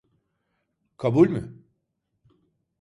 Kabul mü?